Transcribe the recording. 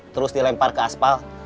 terus dilempar ke aspal